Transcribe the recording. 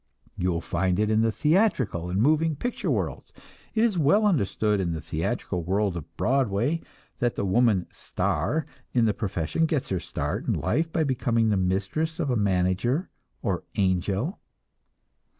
You will find it in the theatrical and moving picture worlds. It is well understood in the theatrical world of Broadway that the woman "star" in the profession gets her start in life by becoming the mistress of a manager or "angel."